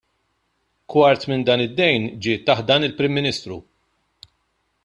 Kwart minn dan id-dejn ġie taħt dan il-Prim Ministru.